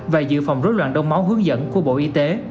và dự phòng rối loạn đông máu hướng dẫn của bộ y tế